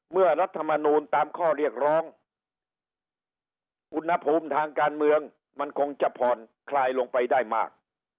รัฐมนูลตามข้อเรียกร้องอุณหภูมิทางการเมืองมันคงจะผ่อนคลายลงไปได้มาก